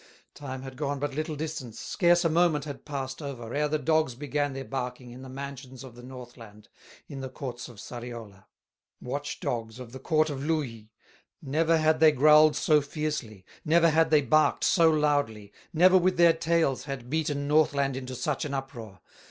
Time had gone but little distance, Scarce a moment had passed over, Ere the dogs began their barking, In the mansions of the Northland, In the courts of Sariola, Watch dogs of the court of Louhi; Never had they growled so fiercely, Never had they barked so loudly, Never with their tails had beaten Northland into such an uproar.